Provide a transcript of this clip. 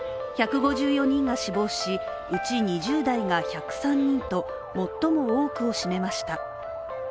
１５４人が死亡し、うち２０代が１０３人と最も多くを占めました。